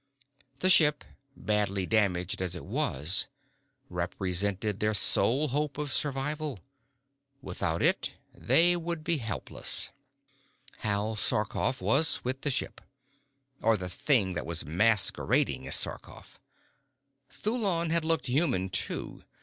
The ship, badly damaged as it was, represented their sole hope of survival. Without it, they would be helpless. Hal Sarkoff was with the ship. Or the thing that was masquerading as Sarkoff. Thulon had looked human too.